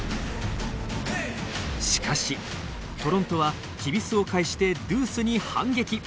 しかしトロントはきびすを返してドゥースに反撃。